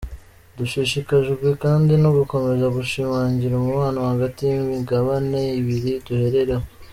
Dushishikajwe kandi no gukomeza gushimangira umubano hagati y’imigabane ibiri duherereho.”